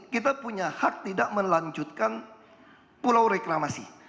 kita punya hak tidak melanjutkan pulau reklamasi